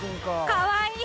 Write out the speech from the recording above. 「かわいい」。